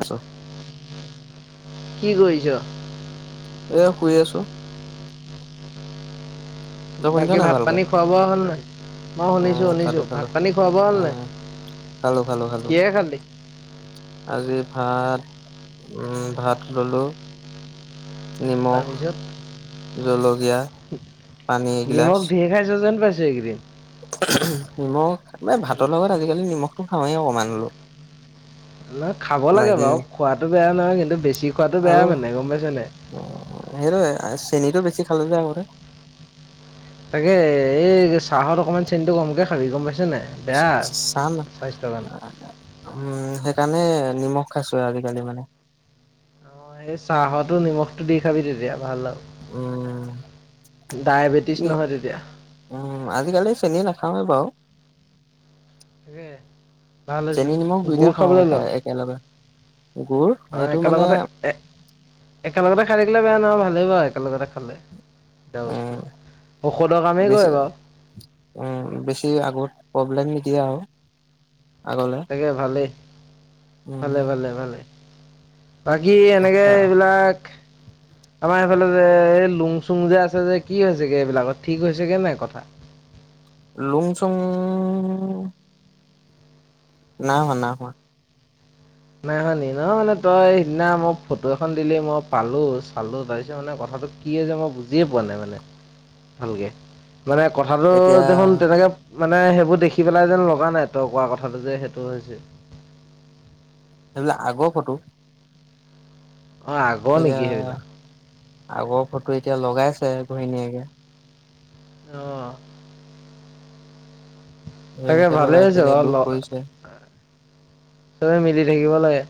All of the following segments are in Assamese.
আছো কি কৰিছ এয়া শুই আছো তই শুনিছ বাকী নাই ভাত ভালকে পানী খুৱাব হ'ল নাই মই উম শুনিছোঁ খালো শুনিছোঁ খালো ভাত পানী খুৱাব হ'ল উম নাই খালো খালো খালো কিহে খালি? আজি ভাত উম ভাত ললো নিমখ তাৰপিছত জলকীয়া পানী এগিলাচ নিমখ ভে খাইছ যেন পাইছো এইকেইদিন নিমখ ম ভাতৰ লগত আজিকালি নিমখটো খওঁহেই অকণমান হলো নহ খাব লাগে বাৰু খোৱাাতটো বেয়া নহয় কিন্তু বেছি শিখোৱাাতটো বেয়া আৰু মান নে গম পাইছনেে চেনিীটো বেছি খালো যায় ম তাকে এই চাহত অকমান চেনতটো গম কেে খাবি গম পাইছ নাই বেয়া চান স্বাস্থ্যৰ কাৰণে। উম সেইকাৰণে নিমখ খাইছো আজিকালি মানে অ সেই চাহো নিমখতটো দি খাবি তেতিয়া ভাল আৰু উম ডায়েবেটিছ নহয় তেতিয়া। উম আজিকালি চেনিী নাখাওৱে বাৰু তে ভাল হৈছে চেনি নিমখ দুইটাই গুৰ খাওঁ খাবলৈ লোৱা একেলগে গুৰ অ সেইটো মানে একেলগতে একেলগতে খাই থাকিলে বেয়া নহয় ভালেই বাৰু একেলগতে খালে এ বস্তু উম ঔষধৰ কামেই কৰে বেছি বাৰু বেছি আগত প্ৰব্লেম নিদিয়া আৰু আগলে তাকে ভালেই উম ভালে ভালে ভালে বাকী এনেকে এইবিলাক আমাৰ এইফালে যে এই লুং চুং যে আছে যে কি হৈছেগৈ এইবিলাকত ঠিক হৈছেগৈ নাই কথা লুং চুং না হোৱা না হোৱা নাই শি ন মানে তই সিদিনা মই ফটো এখন দিলেই মই পালোঁ চালোঁ তাৰপিছত মানে কথাটো কি যে মই বুজিয়ে পোৱা নাই মানে ভালকে মানে কথাটো এতিয়া দেখোন তেনেকে মানে সেইবোৰ দেখি পেলাই যেন লগা নাই তই কোৱা কথাটো যে সেইটো হৈছে সেইবিলাক আগৰ ফটো অঁ আগৰ এতিয়া নেকি সেইবিলাক আগৰ ফটো এতিয়া লগাইছে ঘহণীয়েকে আহ নিকছে ভালে হৈছে এতিয়া দুখ বাৰু হয়ছে চবে মিলি থাকিব লাগে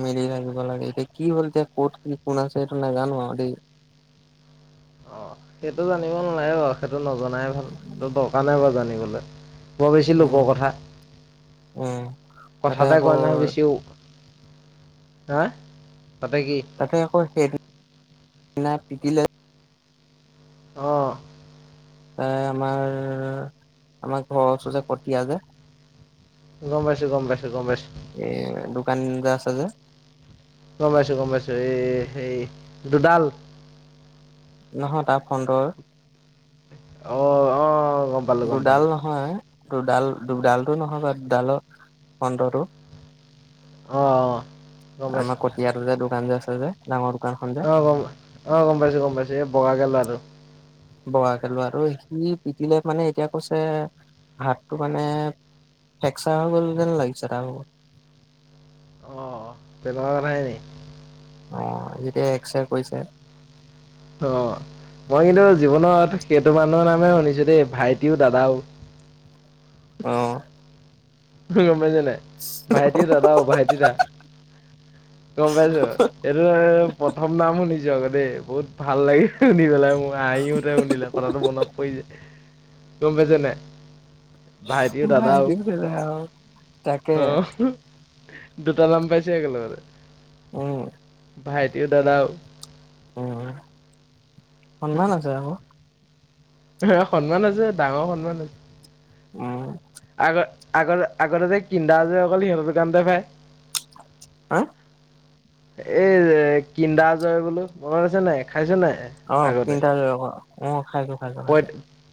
মিলি থাকিব লাগে এতিয়া কি হল এতিয়া ক'ত কি কোন আছে সটো নাজানো দ [unintelligible] অ সেইটো জানিব নালাই বাৰু সেইটো নজনাই ভাল সেইটো দৰকাৰ নাই বাৰু জানিবলৈ বৰ বেছি লোকৰ উম কথা উম তাতে কথাতে আকৌ কয় নহয় বেছিও হা তাতে কি তাতে আকৌ সেইদি পিটিলে অঁ এ আমাৰ আমাৰ ঘৰৰ ওচৰ যে কঠীয়া যে গম পাইছো গম পাইছো গম পাইছো এই দোকান যে আছে যে গমাইছো গমাইছো এই সেই দুুডাল নহয় তা ফন্দৰ অ অ গম পালো গম দুডাল পালো নহয় দুডাল দুডালতটো নহয় বাৰ ডালৰ পন্ৰৰ অ', অ', গম পাইছো আমাৰ কতিয়াৰ যে দোকান যে আছে যে ডাঙৰ দোকানখন যে আহ গমাই আহ গম পাইছো গম পাইছো এই বগাাকে লৰাটো আৰু বগাকে লৰাটো আৰু সি পিটিলে মানে এতিয়া কৈছে হাতটো মানে ফেকচা হৈ গ'ল যেন লাগিছে তা ভাগ [unintelligible] অ যেতিয়া এক্স ৰে কৈছে অ মই কিন্তু জীৱনত সেইটো মানুহৰ নামে শুনিছো দেই ভাইটিও দাদাও অ গম পাই যোনাই ভাইটি দাদা ভাইটি দা গম পাইছো এইটো প্ৰথম নাম শুনিছো আকৌ দেই বহুত ভাল লাগিল শুধি পেলাই মোৰ হাহি ওঠে শুধিলে কথাটো মনত পৰি যায় গম পাইছেনে ভাইটিও মাৰি দাদাও দিছে আৰু তাকে [unintelligible] উম ভাইটিও দাদাও উ কন ভাল আছে আবৌ এ সন্মান আছে ডাঙৰ সন্মান আছে উম আগ আগতে আগতে যে কিন্ধা আ যে অকল সি হৌ দোকানতে পাই হা এই কিন্দা জয় বোলো মনত আছে নাই খাইছ নাই অ আগতে তিনিটা অ খাইছো খাইছো খাইছো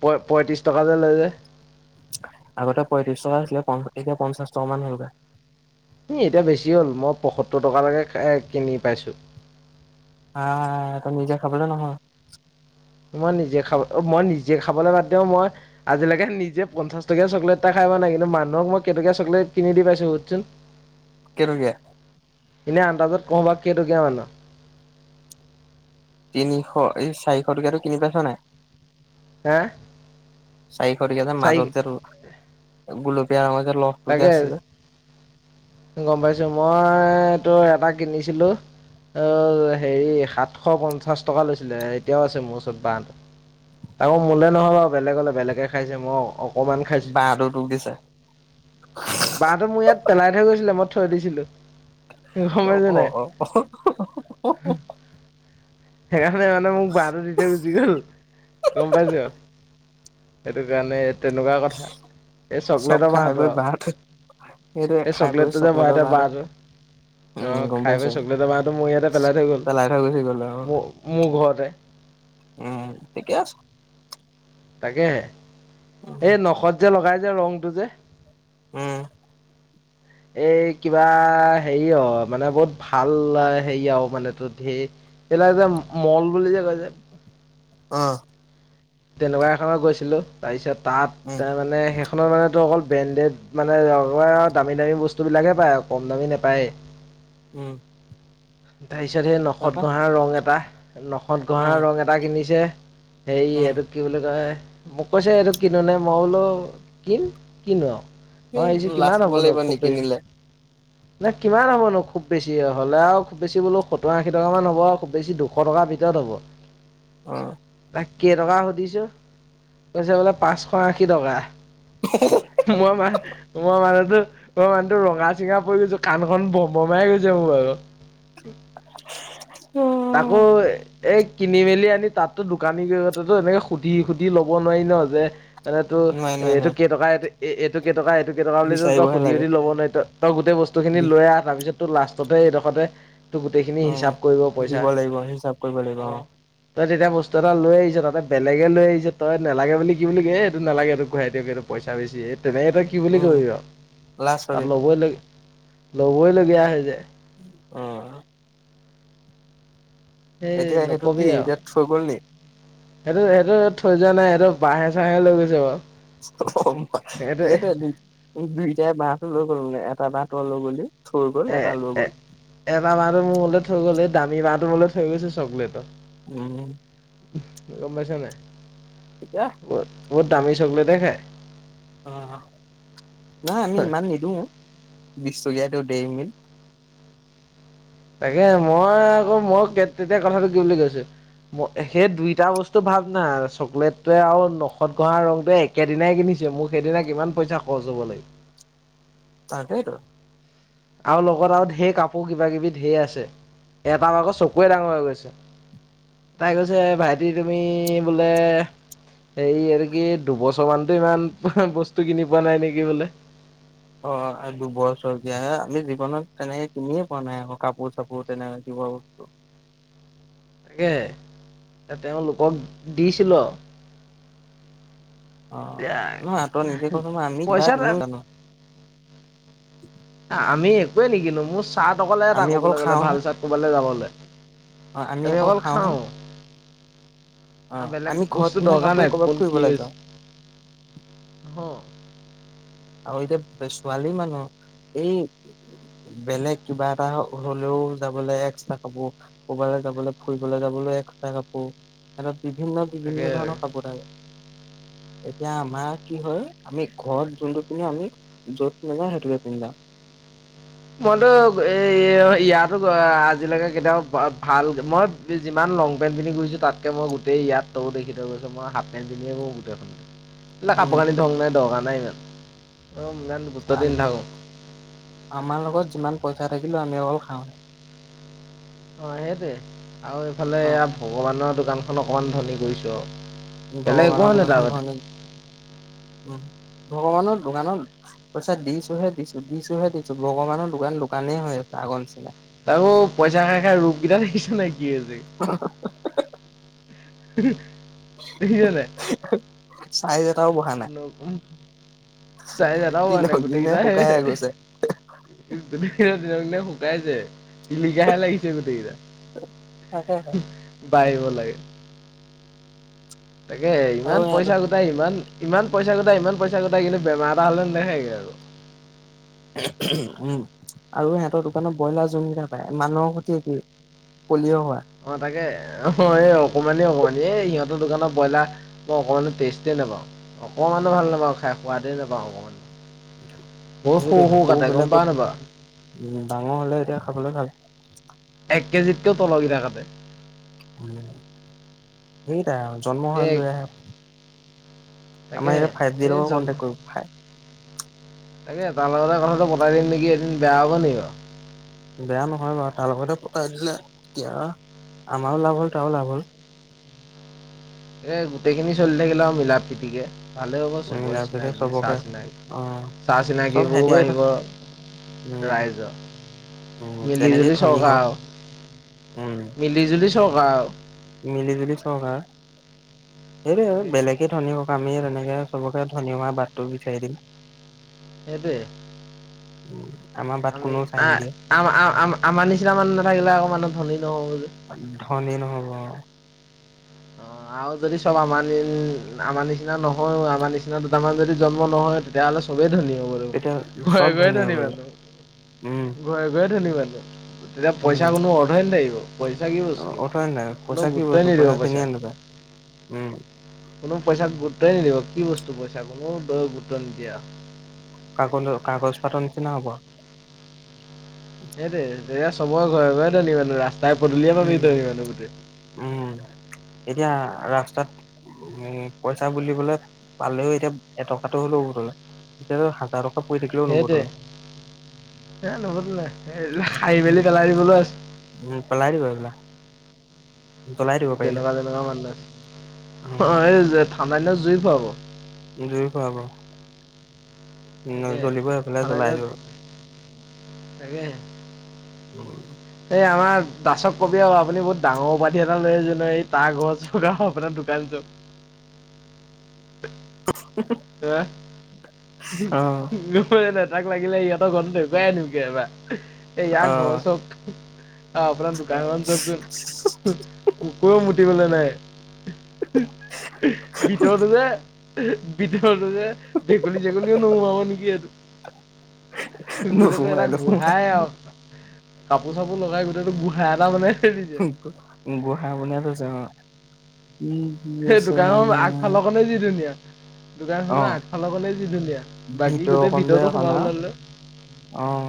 প পঁয়ত্ৰিছ টকা যে লৈ যে আগতে পয়ত্ৰিছ টকা আছিলে একে পঞ্চাছ টকামান হ'লগৈ এতিয়া বেছি হ'ল মই পয়সত্তৰ টকালৈকে কিনি পাইছোঁ হা ত নিজে খাবলৈ নহয় মই নিজে খাব মই নিজে খাবলৈ বাদতিও মই আজিলৈকে নিজে পঞ্চাশ টকীয়া চকলেট টা খাই পোৱা নাই কিন্তু মানুহক মই কেতকিয়া চকলেট চকলেট কিনি দি পাইছো সূত চোন কেটকিয়া এনে আন্দাজত কবা কেইটোকিয়া মানে তিনিশ এই চাৰিশ টকাটো কিনি পাইছ নাই হা চাৰি [unintelligible] যে তাকে আছে যে গম পাইছো মই ত এটা কিনিছিলো অ হেৰি সাতশ পঞ্চাশ টকা লৈছিলে এতিয়াও আছে মোৰ ওচৰত বাঁন আকৌ মোলে নহয় বাৰু বেলেগলে বেলেগে খাইছে মই অকমান খাইছো বাহটো ত দিছে বাহহটো মোৰ ইয়াত পেলাই থৈ গৈছিলে মই থৈ দিছিলো গম অ পাইছ অ নাই অ অ [inaudible] সেইকাৰণে মানে মোক বাহটো দি থ গুচি গল গম পাইছ? সেইটো কাৰণে তেনেকুৱা কথা এই চব চকলেটৰ খাই পৰাতটো বৈ আৰু বাঁহটো সেইটোৱে এই খাই বৈ চকলেটটো যে ভৰাই চকলেটৰ থৈ বাঁহটো বাৰ উম, অ' গম খাই পাইছো। বৈ চকলেটৰ বাৰটো মোৰ ইয়াতে পেলাই থৈ গ'ল গুচি গ'ল আৰু মোৰ মোৰ ঘৰতে। উম ঠিকে আছে। তাকেহে এই নখত যে লগাই যে ৰংটো যে। উম। এই কিবা হেৰি অ মানে বহুত ভাল হেৰি আৰু মানে ত সেই এল যে মল বুলি যে কৈ যে। আহ। তেনেকুৱা এখনত গৈছিলো তাৰপিছত উম, তাত মানে সেইখননৰ মানে তো অকল ব্ৰেণ্ডেড মানে ৰ দামী দামী বস্তুবিলাকে পায় আৰু কম দামী নোপায়ে। উম। তাৰপিছত সেই নখত তাৰপা গঁহা ৰং এটা নখত উম, গঁহা ৰং এটা কিনিছে। উম, সেইটো কি বুলি কয় মোক কৈছে এইটো কিনো নাই মই বোলো কিন কিনো আৰু। অহ এই এইচ লাজ কিমান পাব হ'ব ন লাগিব খুব বেছ নিকিনিলে না কিমান হ'ব নো খুব বেছি হ'লে আৰু খুব বেছি বোলো সতৰ আশী টকা মান হ'ব আৰু খুব বেছি দুশ টকা ভিতৰত হ'ব। উ কেইটকা সুধিছোঁ কৈছে বোলে পাঁচশ আশী টকা। মই মা মই মানুহতো মই মানুহটো ৰঙা চিঙা পৰি গৈছো কাণখন ব বমাই গৈছে মোৰ আৰু। [inaudible] তাকো এ কিনি মেলি আনি তাতো দোকানীতো এনেকে সুধি সুধি ল'ব নোৱাৰি। ন যে মান তটো নোৱাৰি, নোৱাৰি, এইটো নোৱাৰি কেইটকা এইটো এইটো কেইটকা এইটো কেইটকা বুলি তই বিচাৰিবহে সুধি লাগে সুধি ল'ব নোৱাৰি তই তই গোটেই বস্তুখিনি বি লৈ আহ তাৰপিছত ত লাষ্টতে এইডোখৰতে ত গোটেইখিনি হিচাপ অ'। কৰিব। দিব পইচা লাগিব হিচাপ কৰিব লাগিব অঁ অ'। তই তেতিয়া বস্তু এটা লৈ আহিছ তাতে বেলেগে লৈ আহিছ তই নালাগে বুলি কি বুলি ক এইটো নালাগে এইটো ঘোৰাইত এইটো পইচা বেছি এই তেনেকৈ তই কি বুলি কি উম, আৰু লাজ তাত পাবি ল'বই ল ল'বইলগীয়া হৈ যায়। আহ। এইেই এতিয়া সেইটো কি নকবি আৰু। এতিয়া থৈ গ'ল নি? সেইটো সেইটো থৈ যোৱা নাই এইেইটো বাঁহে চাহহে লৈ গৈছে বাৰু। সেইটো দু দুইটাই বাহ ফ ল কৰো নে লো গ বুলি। এ এ এটা মাহটো মোৰ মলে থৈ গ'ল দামী মাহটো ম থৈ গৈছে চকলেটৰ। উম। গম পাইছ নে নাই? এতিয়া বহুত বহুত দামী চকলেট য়ে খায়। অ' নাই আমি ইমান নিদিওঁ, বিশ টকীয়াতো ডেইমিল তাকে মই আকৌ মই তেতিয়া কথাটো কি বুলি কৈছো। সেই দুইটা বস্তু ভাৱ না চকলেটোৱে আৰু নখত ঘহা ৰংটোৱে একেদিনাই কিনিছ মোক সেইদিনা কিমান পইচা খৰচ হ'ব লাগ তাকেইতো। আৰু লগত আৰু ঢেৰ কাপোৰ কিবা কিবি ঢেৰ আছে। এটা আকৌ চকুৱে ডাঙৰ হৈ গৈছে। তাই কৈছে ভাইটি তুমি বোলে, এই আৰু কি দুবছৰমানতে ইমান বস্তু কিনি পোৱা নাই নেকি বোলে। অ, দুব চৰকীয়া আমি জীৱনত তেনেকে কিনিয়ে পোৱা নাই আকৌ কাপোৰ চাপোৰ তেনেকে। বহ [unintelligible] তাকে তেওঁলোকক দিছিলোঁ আৰু। অ, নহয় তই নিজে কৈছ মই আমি বা পইচা কিনো জানো। আমি একোৱে নিকিনো মোৰ ছাট অকলে এটা আমি অকল ক'বলৈ গ'লে খাওঁহে ভাল চাট ক'বালৈ যাবলে। আমি অকল খাওঁ। অ বেলেগ আমি ঘৰত বস্তু পিন্ধা দৰকাৰ কাপোৰে নাই ক'ৰবাত কোন কি ফুৰিবলৈ যাওঁ হৈছে অহ, আৰু এতিয়া ছোৱালী মানুহ। এই বেলেগ কিবা এটা হলেও যাবলৈ এক্সত্ৰা কাপোৰ ক'ৰব যাবলৈ ফুৰিবলৈ যাবলৈ একটা কাপোৰ, তাকে বিভিন্ন-বিভিন্ন ধৰণৰ কাপোৰ থাকে। এতিয়া আমাৰ কি হয় আমি ঘৰত যোনটো তুমি আমি য'ত নাযাওঁ সেইটোকে পিন্ধা মইতো এ ইয়াতো আজিলৈকে কেতিয়াবা ভাল মই যিমান ল পেট পিনিধুছো তাতক মই গোটেই ইয়াত তো দেখি থৈছ মই হফ পেন্ট পিনিয়ে মো গোটেইখন। এইাক কাপোৰ উম কানি ধং নাই দকাৰ নাই। অ, মূলন গুৰুত্ব দি নাথাকোঁ। আমাৰ লগত যিমান পইচা থাকিলো আমি অকল খাওঁ। অ, সেইটোৱে আৰু এইফালে অ এই ভগৱানৰ দোকানখন অকণমান ধনী কৰিছোঁ। ভগৱানৰ দোকান খন ধনী অ', ভগৱানৰ দোকানত পইচা দিছোহে দিছো, দিছোহে দিছো, ভগৱানৰ দোকান দোকানেই হৈ আছে আগৰ নিচিনা। তাৰো পইচা খাই-খাই ৰূপ কেইটা থাকিছে নে কি হৈছে। দেখিছ নে নাই। চাহি [unintelligible] চাই জানা হ দিনক নাই গোটেই দিনে কেইতা শুকাইহে গৈছে দি [unintelligible] তাই যে তিলিকাহে লাগিছে গোটেইকেইটা। তাকেহে পাৰিব লাগে। তাকে আৰু ইমান সিহঁতৰ পইচা গোটাই ইমান, ইমান পইচা গোটাই ইমান পইচা গোটাই কিন্তু বেমাৰ এটা হ'লে নেথাগে আৰু। উম, আৰু সিহতৰ দোকানত ব্ৰইলাৰ জোনকটা পায় মানুহৰ খতি একেই। পলিঅ' হোৱা। অ, তাকে অ, এই অকমানি-অকমানি। এই ইহঁতৰ দোকানত ব্ৰইলাৰ মই অকণমানো টেষ্টেই নাপাওঁ অকণমানো ভাল নাপাওঁ খাই সোৱাদেই নাপাওঁ। পাৱন সেইটোৱ গম সৌবিলাকত পাৱ নাপাৱ? উম, ডাঙৰ হলে এতিয়া খাবলে ভাল। এক কেজিতকেও তলৰ গিতা কাটে। উম, সেইটাই আৰু জন্ম হৈ এই লৈ আহে আকৌ। আমাৰ তাকে এতিয়া ফাইভ জিৰ এই লগ জন কনটে্ কৰিব ফাইভ তাকে তাৰ লগতে কথাটো পতাই দিম নেকি এদিন বেয়া হ'ব নিকি বাৰু। বেয়া নহয় বাৰু তাৰ লগতে পঠাই দিলে এতিয়া। আমাৰও লাভ হল তাৰো লাভ হল। এ গোটেইখিনি চলি থাকিলে আৰু মিলা প্ৰীতিকে, ভালেই হ'ব চবৰে মিলাই পেলাই চিনাকি চাহ চবকে চিনাকি অ' চাহ চব চিনাকিবোৰোঁ সিহঁতিয়ে বাঢ়িব। উম উম ৰাইজৰ তেনেকেই মিলিজুলি ধনী হওক চৰকাৰ উম আৰু। মিলি জুলি চৰকাৰ আৰু। মিলি জুলি চৰকা সেইটোৱে তাকে আৰু বেলেগে ধনী হক। আমি তেনেকে চবকে ধনি হোৱা বাটটো দেখায় দিম [inaudible] এবে [inaudible] উম আমি আম আমাৰ নিচিনা মানুহ নাথাকিলে অক মানুহ ধনী নহব যে ধনী নহব অ অ আৰু যদি চব আমাৰ আমাৰ নিচিনা নহয়ও আমাৰ নিচিনা দুটামান যদি জন্ম নহয় তেতিয়া চোবেই ধনী হ'ব তেতিয়া ঘৰে চব ঘৰে হৈ ধনী গ'ল মানুহ উম ঘৰে ঘৰে ধনী মানুহ তেতিয়া পইচা কোনো অধই নালাগিব উঠোৱ নাই পইচা কি গুৰুত্বই বস্তু নিদিব পইচা চিনি পইচাক। নাপাম ত উম কোনো পইচাক গুৰুত্বই নিদিব কি বস্তু পইচা কোনো দয় গুৰুত্ব নিদিয়া [inaudible] কাগজৰ কাগজ পাতৰ নিচিনা হব [inaudible] সেইট তেতিয়া চৰে ঘৰে ঘৰে দলি মানুহ ৰাস্তা উম উম এতিয়া [unintelligible] ৰাস্তাত উম পইচা বুলিবলে পালেও এতিয়া এটকাটো হ'লও এতিয়া হাজাৰ সেইটোৱে [unintelligible] [unintelligible] পলাৰিব প [inaudible] যেনেকুৱা তেনেকুৱা উম মানুহ এই ঠাণ্ডা দিনত জুই পোৱাব জুই পুৱাব তাকে নজ্বলিব সেইফালে জ্বলাই দিব তাকে উম [inaudible] এই আমাৰ দাচক কবি আৰু আপুনি বহুত ডাঙৰ উপাধি এটা লৈ জ এই তাঁৰ গছ আৰু আপোনাৰ দোকান যো [unintelligible] অ অ [unintelligible] তাক লাগিলে ইহতৰ ঘৰটো দেৱাইে নকে এবা এই ইয়াৰ অ ঘৰ চব আহ আপোনাৰ গাঁত জক কুকুৰও মুতিবলৈ নাই ভিতৰতো যে [inaudible] যে ভেকুলী জেকুলীও নোসোমাব নেকি এইটো [inaudible] গোটটো নুসুমাই এটা নুসুমাই গোহাই আৰু কাপোৰ চাপোৰ লগাই গোটেইটো গুঢ়া এটা মানে গুয়া বনায় সেইটো কাৰণৰ মানে আগফালৰকণ যি ধুনীয়া অ দোকানখনৰ আগফালৰ গলে যি ধুনীয়া বাকী গোটেই ভিতৰকণ যে ভিতৰতটো অকণ সোমাব আও ললো অ